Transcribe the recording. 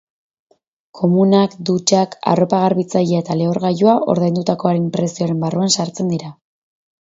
Komunak, dutxak, arropa garbitzailea eta lehorgailua ordaindutakoaren prezioaren barruan sartzen dira.